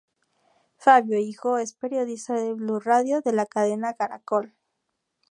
Fabio hijo es periodista de Blu Radio de la cadena Caracol.